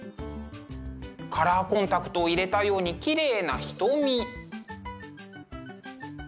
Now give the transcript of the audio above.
カラーコンタクトを入れたようにきれいな瞳。